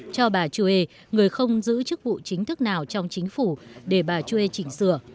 cho bà chuê người không giữ chức vụ chính thức nào trong chính phủ để bà chue chỉnh sửa